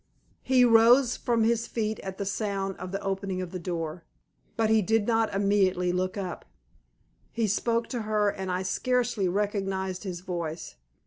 He rose from his feet at the sound of the opening of the door, but he did not immediately look up. He spoke to her, and I scarcely recognized his voice.